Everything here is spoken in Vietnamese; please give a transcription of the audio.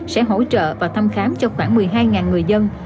sẽ hỗ trợ và thăm khám cho khoảng một mươi hai người dân